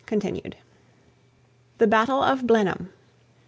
HOLLAND. THE BATTLE OF BLENHEIM.